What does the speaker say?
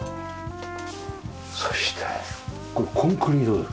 そしてこれコンクリ色だ。